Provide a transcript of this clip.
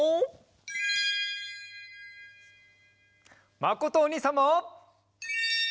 まことおにいさんも！